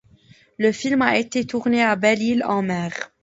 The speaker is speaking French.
Le film a été tourné à Belle-Île-en-Mer.